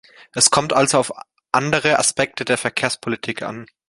Es kommt also auf andere Aspekte der Verkehrspolitik an.